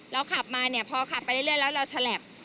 ขับมาเนี่ยพอขับไปเรื่อยแล้วเราฉลับ